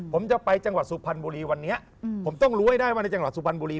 ผมจะไปจังหวัดสุพรรณบุรีวันนี้ผมต้องรู้ให้ได้ว่าในจังหวัดสุพรรณบุรี